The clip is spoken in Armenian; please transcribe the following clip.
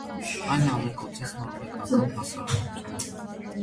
Այն ալեկոծեց նորվեգական հասարակությանը։